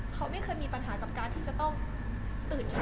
เขาไม่เคยมีปัญหากับการที่จะต้องตื่นเช้า